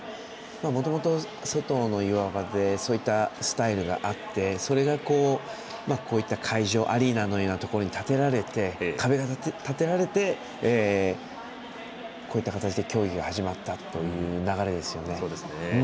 もともと、外の岩場でそういったスタイルがあってそれが会場アリーナのようなところに壁が建てられてこういった形で競技が始まったという流れですよね。